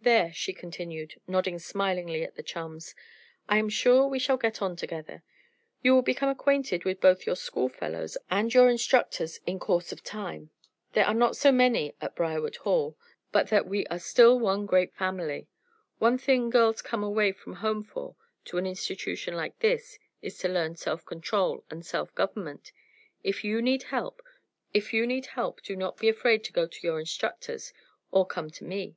"There!" she continued, nodding smilingly at the chums. "I am sure we shall get on together. You will become acquainted with both your school fellows and your instructors in course of time. There are not so many at Briarwood Hall but that we are still one great family. One thing girls come away from home for, to an institution like this, is to learn self control and self government. If you need help do not be afraid to go to your instructors, or come to me.